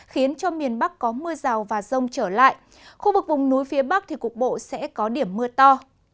khiến cho miền bắc có mưa rào và rông trở lại khu vực vùng núi phía bắc thì cục bộ sẽ có điểm mưa to